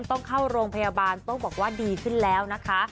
ต้องเข้าโรงพยาบาลต้องบอกว่าดีขึ้นแล้วนะคะ